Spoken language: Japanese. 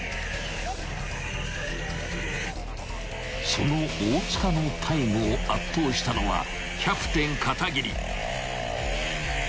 ［その大塚のタイムを圧倒したのはキャプテン片桐］